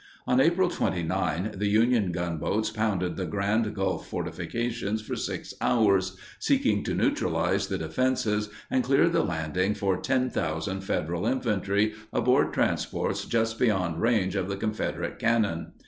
On April 29, the Union gunboats pounded the Grand Gulf fortifications for 6 hours, seeking to neutralize the defenses and clear the landing for 10,000 Federal infantry aboard transports just beyond range of the Confederate cannon.